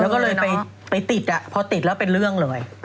แล้วก็เลยไปติดพอติดแล้วเป็นเรื่องเลย